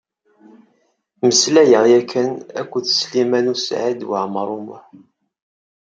Mmeslayeɣ ya kan akked Sliman U Saɛid Waɛmaṛ U Muḥ.